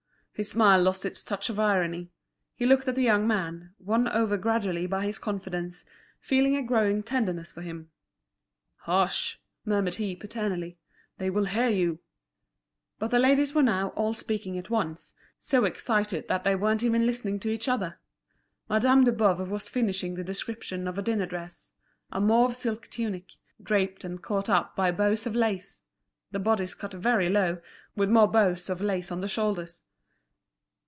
His smile lost its touch of irony; he looked at the young man, won over gradually by his confidence, feeling a growing tenderness for him. "Hush!" murmured he, paternally, "they will hear you." But the ladies were now all speaking at once, so excited that they weren't even listening to each other. Madame de Boves was finishing the description of a dinner dress; a mauve silk tunic—draped and caught up by bows of lace; the bodice cut very low, with more bows of lace on the shoulders.